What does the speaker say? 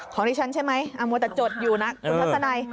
ของดิฉันใช่ไหมมัวแต่จดอยู่นะคุณทัศนัย